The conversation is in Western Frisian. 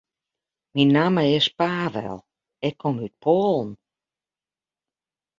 Myn namme is Pavel, ik kom út Poalen.